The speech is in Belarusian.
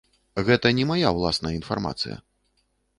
Гэта не мая ўласная інфармацыя.